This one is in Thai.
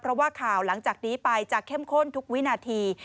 เพราะว่าข่าวหลังจากนี้ไปจะเข้มข้นทุกวินาที